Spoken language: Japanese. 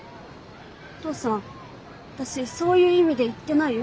お父さん私そういう意味で言ってないよ。